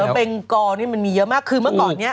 เสือเป็งกอมันมีเยอะมากคือเมื่อก่อนเนี่ย